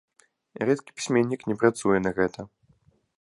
Рэдкі пісьменнік не працуе на гэта.